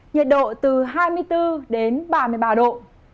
nhiệt độ từ hai mươi bốn đến ba mươi ba độ